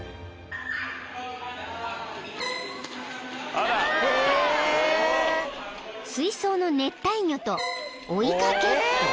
［水槽の熱帯魚と追いかけっこ］